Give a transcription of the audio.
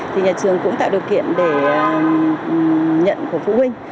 thì nhà trường cũng tạo điều kiện để nhận của phụ huynh